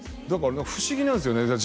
だから不思議なんすよね